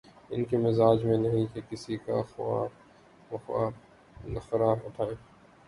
ان کے مزاج میں نہیں کہ کسی کا خواہ مخواہ نخرہ اٹھائیں۔